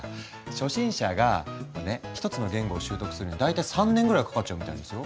初心者がこれね一つの言語を習得するのに大体３年ぐらいかかっちゃうみたいですよ。